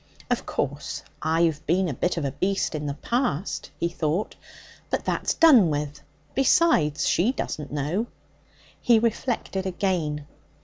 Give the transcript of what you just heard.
'Of course, I've been a bit of a beast in the past,' he thought. 'But that's done with. Besides, she doesn't know.' He reflected again.